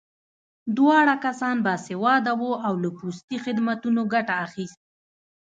دواړه کسان باسواده وو او له پوستي خدمتونو ګټه اخیست